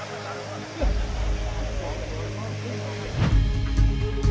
พวกมันกำลังพูดได้